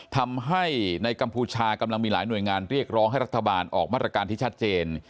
ทำให้ในกัมพูชากำลังมีหลายหน่วยงานเรียกร้องให้รัฐบาลออกมาตรการที่ชัดเจน